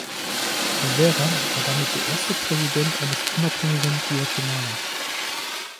Rivera war damit der erste Präsident eines unabhängigen Guatemala.